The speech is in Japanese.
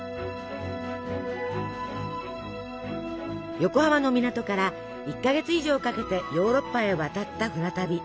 横浜の港から１か月以上かけてヨーロッパへ渡った船旅。